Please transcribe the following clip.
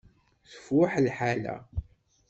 Tfuḥ lḥala.